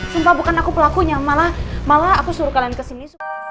sumpah bukan aku pelakunya malah aku suruh kalian kesini